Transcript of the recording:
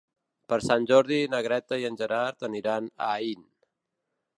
Per Sant Jordi na Greta i en Gerard aniran a Aín.